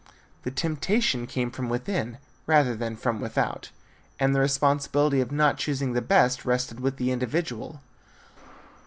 The temptation came from within rather than from without, and the responsibility of not choosing the best rested with the individual.